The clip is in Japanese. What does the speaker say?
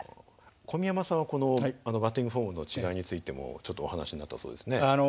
小宮山さんはこのバッティングフォームの違いについてもちょっとお話しになったそうですね。